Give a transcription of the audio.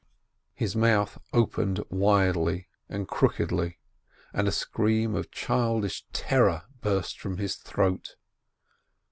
His mouth opened widely and crookedly, and a scream of childish terror burst from his throat.